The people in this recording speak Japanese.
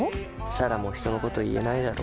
彩良も人のこと言えないだろ。